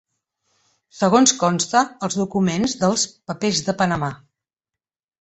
Segons consta als documents dels ‘papers de Panamà’.